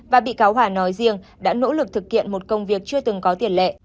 và bị cáo hòa nói riêng đã nỗ lực thực hiện một công việc chưa từng có tiền lệ